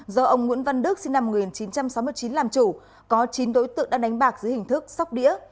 do ông nguyễn văn đức sinh năm một nghìn chín trăm sáu mươi chín làm chủ có chín đối tượng đã đánh bạc dưới hình thức sóc đĩa